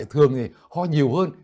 thường thì ho nhiều hơn